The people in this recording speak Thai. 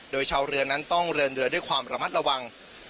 โดยชาวเรือนั้นต้องเดินเรือด้วยความระมัดระวัง